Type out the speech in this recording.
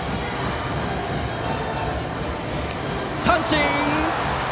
三振！